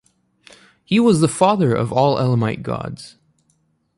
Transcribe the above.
He was the father of all Elamite gods.